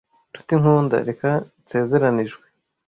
nshuti nkunda reka nsezeranijwe